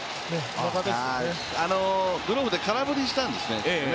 グローブで空振りしたんですね。